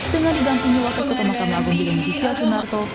dengan diganti oleh wakil ketua mahkamah agung binti syahidunarto